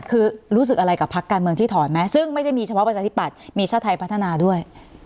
คือรู้สึกอะไรกับพักการเมืองที่ถอนไหมซึ่งไม่ได้มีเฉพาะประชาธิปัตย์มีชาติไทยพัฒนาด้วย